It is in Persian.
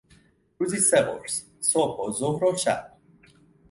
روزی سه قرص: صبح و ظهر و شب